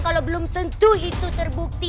kalau belum tentu itu terbukti